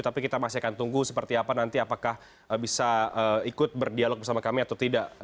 tapi kita masih akan tunggu seperti apa nanti apakah bisa ikut berdialog bersama kami atau tidak